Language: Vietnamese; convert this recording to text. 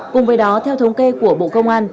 cùng với đó theo thống kê của bộ công an